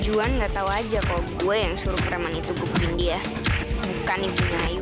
juan enggak tahu aja kalo gua yang suruh preman itu kupindih ya bukan ibunya ayu